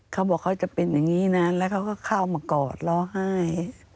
เขาบอกเขาจะเป็นอย่างนี้นะแล้วเขาก็เข้ามากอดร้องไห้